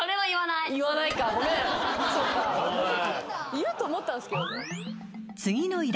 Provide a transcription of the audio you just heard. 言うと思ったんすけど。